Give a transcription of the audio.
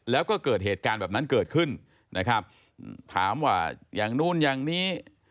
แล้วก็เกิดเหตุการณ์แบบนั้นเกิดขึ้นนะครับถามว่าอย่างนู้นอย่างนี้